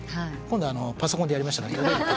今度はパソコンでやりました。